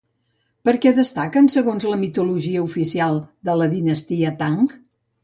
Per què destaquen, segons la mitologia oficial de la dinastia Tang?